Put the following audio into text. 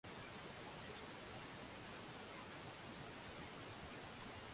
Kirumi na ngambo ya mipaka yake ya mashariki walitengana na